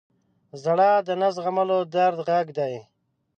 • ژړا د نه زغملو درد غږ دی.